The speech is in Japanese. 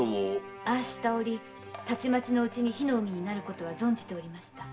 ああしたおりたちまちのうちに火の海になることは存じておりました。